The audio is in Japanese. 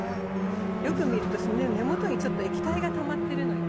よく見るとその根元にちょっと液体がたまってるのよ。